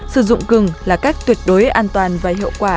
sử dụng cưng là cách tuyệt đối an toàn và hiệu quả